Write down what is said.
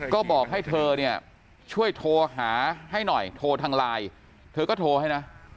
ก็บอกให้เธอเนี่ยช่วยโทรหาให้หน่อยโทรทางไลน์เธอก็โทรให้นะ